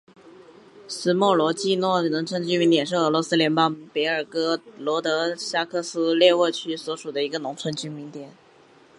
斯莫罗季诺农村居民点是俄罗斯联邦别尔哥罗德州雅科夫列沃区所属的一个农村居民点。